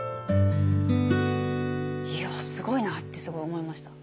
いやすごいなってすごい思いました。